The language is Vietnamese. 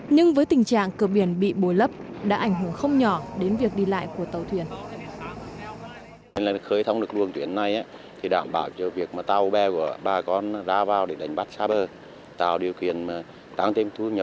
nhưng với tình trạng cửa biển bị bồi lấp đã ảnh hưởng không nhỏ đến việc đi lại của tàu thuyền